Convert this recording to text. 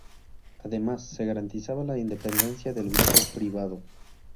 Además, se garantizaba la independencia del grupo privado.